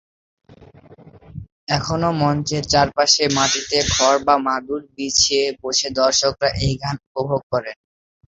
এখনও মঞ্চের চারপাশে মাটিতে খড় বা মাদুর বিছিয়ে বসে দর্শকরা এই গান উপভোগ করেন।